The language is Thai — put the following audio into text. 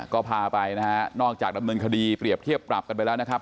ก็พาไปนะฮะนอกจากดำเนินคดีเปรียบเทียบปรับกันไปแล้วนะครับ